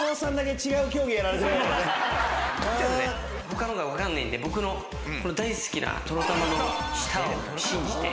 他のが分かんないんで僕の大好きなとろ玉の舌を信じて。